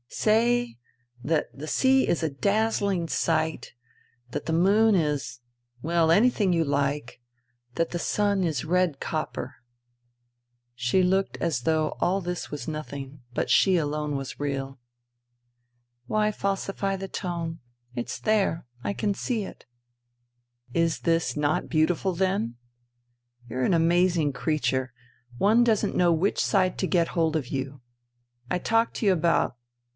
" Say that the sea is a dazzling sight, that the moon is ... well, anything you like, that the sun is red copper.'* She looked as though all this was nothing, but she alone was real. " Why falsify the tone ? It's there : I can see it." " Is this not beautiful then ? You're an amazing creature ! One doesn't know which side to get hold of you. I talk to you about .